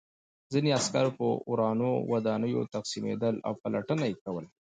ځینې عسکر په ورانو ودانیو تقسیمېدل او پلټنه یې کوله